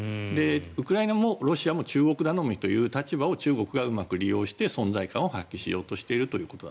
ウクライナもロシアも中国頼みという立場を中国がうまく利用して存在感を発揮していると。